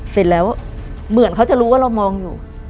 เสร็จแล้วเหมือนเขาจะรู้ว่าเรามองอยู่